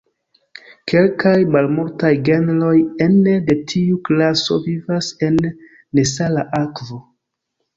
Kelkaj malmultaj genroj ene de tiu klaso vivas en nesala akvo.